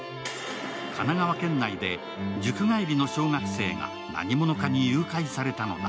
神奈川県内で塾帰りの小学生が何者かに誘拐されたのだ。